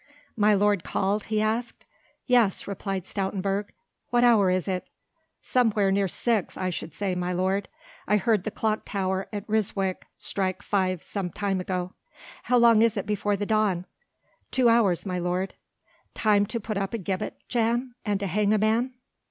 "My lord called?" he asked. "Yes," replied Stoutenburg, "what hour is it?" "Somewhere near six I should say, my lord. I heard the tower clock at Ryswyk strike five some time ago." "How long is it before the dawn?" "Two hours, my lord." "Time to put up a gibbet, Jan? and to hang a man?"